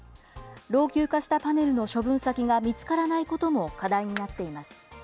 老朽化したパネルの処分先が見つからないことも課題になっています。